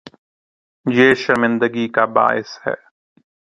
یہ شرمندگی کا باعث ہے۔